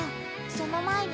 その前に。